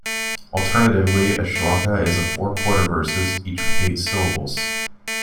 Alternatively, a shloka is four quarter-verses, each with eight syllables.